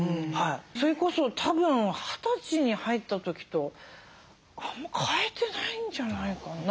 それこそたぶん二十歳に入った時とあんまり変えてないんじゃないかな。